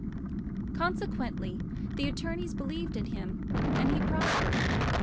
Consequently the attorneys believed in him, and he prospered.